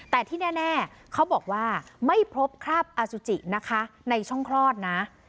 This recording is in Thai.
แต่ที่แน่เขาบอกว่าไม่พบคราบอสุจินะคะในช่องคลอดนะ